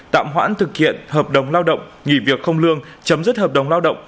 tạm hoãn thực hiện hợp đồng lao động nghỉ việc không lương chấm dứt hợp đồng lao động